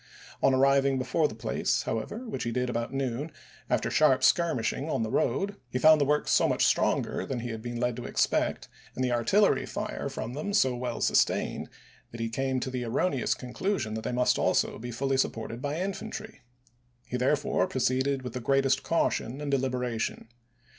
On arriving before the place, however, which he did about noon, after sharp skirmishing on the road, he found the works so much stronger than he had been led to expect and the artillery fire from them so well sustained that he came to the erroneous con clusion that they must also be fully supported by infantry. He therefore proceeded with the greatest caution and deliberation.